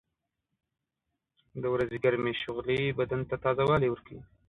• د ورځې ګرمې شغلې بدن ته تازهوالی ورکوي.